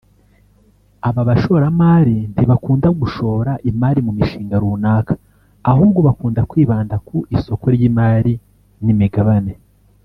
Aba bashoramari ntibakunda gushora imari mu mishinga runaka ahubwo bakunda kwibanda ku isoko ry’imari n’imigabane